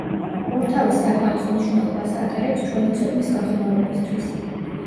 ორთავე საკვანძო მნიშვნელობას ატარებს ჩვენი ცოდნის გაღრმავებისთვის.